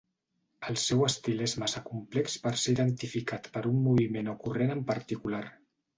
El seu estil és massa complex per ser identificat per un moviment o corrent en particular.